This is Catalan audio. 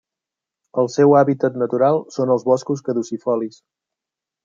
El seu hàbitat natural són els boscos caducifolis.